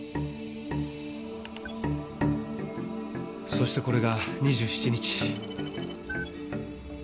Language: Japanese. そしてこれが２７日。